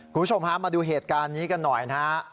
คุณผู้ชมฮะมาดูเหตุการณ์นี้กันหน่อยนะฮะ